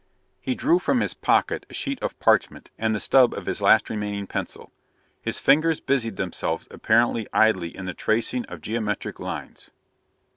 He drew from his pocket a sheet of parchment and the stub of his last remaining pencil. His fingers busied themselves apparently idly in the tracing of geometric lines.